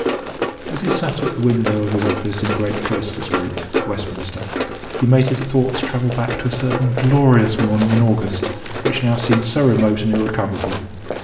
As he sat at the window of his office in Great Cloister Street, Westminster, he made his thoughts travel back to a certain glorious morning in August which now seemed so remote and irrecoverable.